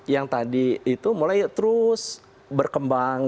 yang tadi itu mulai terus berkembang